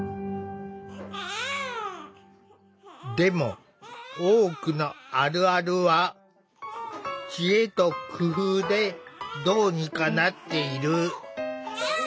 でも多くのあるあるは知恵と工夫でどうにかなっている。